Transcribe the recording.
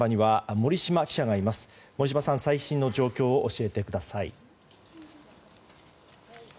森嶋さん、最新の状況を教えてください。